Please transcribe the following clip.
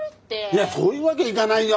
いやそういうわけにいかないよ